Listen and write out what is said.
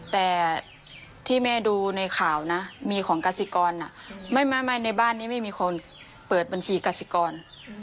แต่ที่แม่ดูในข่าวนะมีของกสิกรไม่ในบ้านนี้ไม่มีคนเปิดบัญชีกสิกร